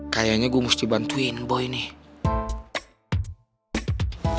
kayaknya gue mesti bantuin boy nih